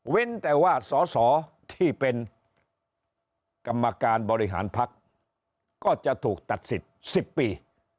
แต่ว่าสอสอที่เป็นกรรมการบริหารพักก็จะถูกตัดสิทธิ์๑๐ปี